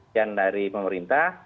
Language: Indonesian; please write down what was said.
yang dari pemerintah